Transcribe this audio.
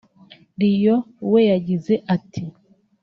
Lion we yagize ati